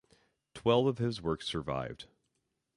Twelve of his works survived.